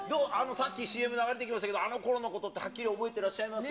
さっきＣＭ流れてきましたけど、あのころのことってはっきり覚えてらっしゃいます？